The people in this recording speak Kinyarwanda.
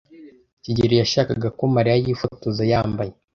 kigeli yashakaga ko Mariya yifotoza yambaye